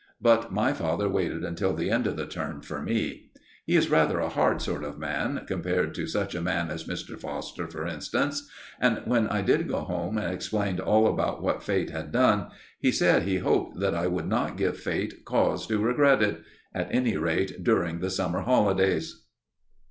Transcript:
But my father waited till the end of the term for me. He is rather a hard sort of man, compared to such a man as Mr. Foster, for instance; and when I did go home and explained all about what Fate had done, he said he hoped that I would not give Fate cause to regret it at any rate, during the summer holidays.